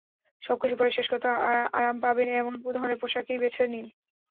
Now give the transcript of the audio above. সবকিছুর পরে শেষ কথা আরাম পাবেন এমন ধরনের পোশাকেই বেছে নিন।